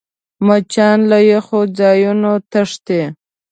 مچان له یخو ځایونو تښتي